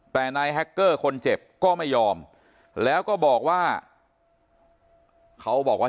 แต่นายแฮคเกอร์คนเจ็บก็ไม่ยอมแล้วก็บอกว่าเขาบอกว่า